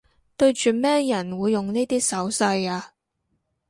對住咩人會用呢啲手勢吖